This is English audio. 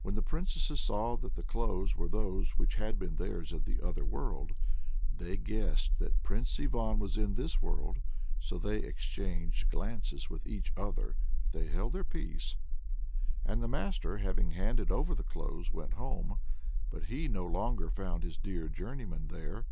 When the princesses saw that the clothes were those which had been theirs in the other world, they guessed that Prince Ivan was in this world, so they exchanged glances with each other, but they held their peace. And the master, having handed over the clothes, went home, but he no longer found his dear journeyman there.